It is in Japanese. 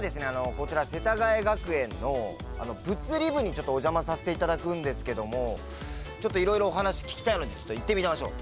こちら世田谷学園の物理部にちょっとお邪魔させて頂くんですけどもちょっといろいろお話聞きたいのでちょっと行ってみましょう。